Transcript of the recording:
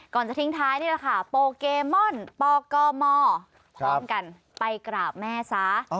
จะทิ้งท้ายนี่แหละค่ะโปเกมอนปกมพร้อมกันไปกราบแม่ซะ